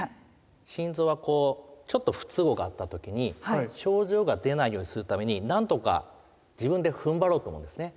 心臓はこうちょっと不都合があった時に症状が出ないようにするために何とか自分でふんばろうと思うんですね。